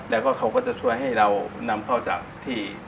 แล้วก็เขาก็จะช่วยให้เรานำเข้าจากที่